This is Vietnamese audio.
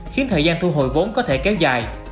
khiến thời gian thu hồi vốn có thể kéo dài